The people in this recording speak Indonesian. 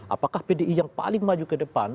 apakah pdi yang paling maju ke depan